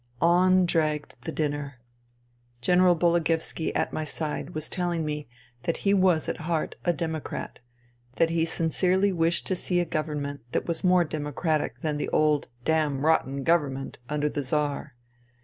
On dragged the dinner. General Bologoevski at my side was telling me that he was at heart a democrat, that he sincerely wished to see a government that was more democratic than the old '' damrotten government " under the Czar.